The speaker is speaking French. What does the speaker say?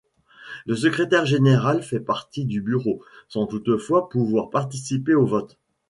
Le Secrétaire général fait partie du Bureau, sans toutefois pouvoir participer aux votes.